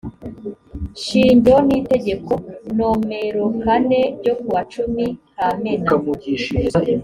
shingiro n itegeko nomerokane ryo kuwa cumi kamena